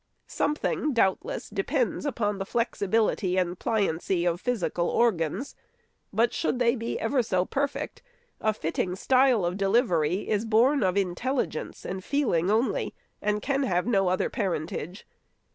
Something, doubtless, depends upon flexibility and pli ancy of physical organs ; but should they be ever so per fect, a fitting style of delivery is born of intelligence and feeling only, and can have no other parentage.